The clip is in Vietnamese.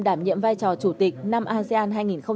đảm nhiệm vai trò chủ tịch năm asean hai nghìn hai mươi